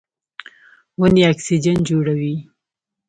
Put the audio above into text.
ونې اکسیجن جوړوي.